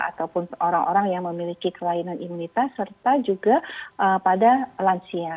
ataupun orang orang yang memiliki kelainan imunitas serta juga pada lansia